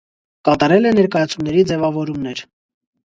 Կատարել է ներկայացումների ձևավորումներ։